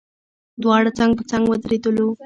دواړه څنګ په څنګ ودرېدلو.